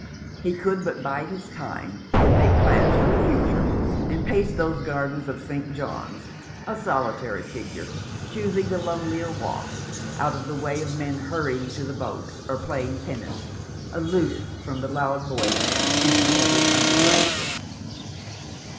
He could but bide his time, and make plans for the future, and pace those gardens of St. John's, a solitary figure, choosing the lonelier walks, out of the way of men hurry ing to the boats, or playing tennis, aloof from the loud voiced, empty headed undergraduate.